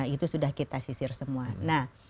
itu sudah kita sisir semua nah